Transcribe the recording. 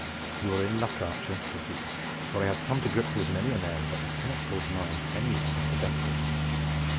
"You are in luck, archer," said he, "for I have come to grips with many a man, but I cannot call to mind any who have had the better of me."